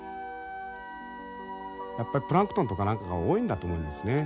やっぱりプランクトンとか何かが多いんだと思うんですね。